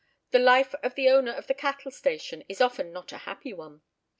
The life of the owner of a cattle station is often 'not a happy one.